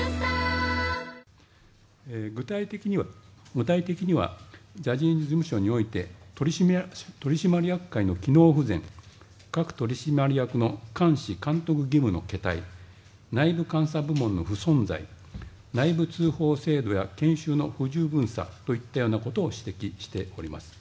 具体的には、ジャニーズ事務所において取締役会の機能不全各取締役の監視・監督義務のけ怠内部監査部門の不存在、内部通報制度や研修の不十分さを指摘しております。